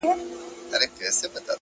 دا چا ويل چي له هيواده سره شپې نه كوم.